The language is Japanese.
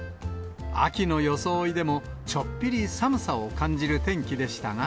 秋の装いでも、ちょっぴり寒さを感じる天気でしたが。